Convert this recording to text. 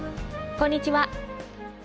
こんにちは。